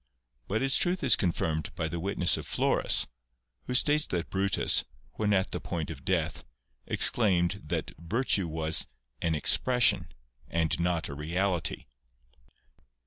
But its truth is confirmed by the witness of riorus, who states that Brutus, when at the point of death, exclaimed, that virtue was '* an expression, and not a reality.".